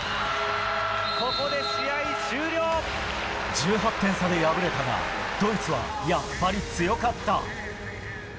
１８点差で敗れたが、ドイツはやっぱり強かった。